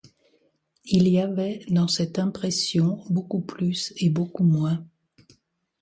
Il y avait dans cette impression beaucoup plus et beaucoup moins.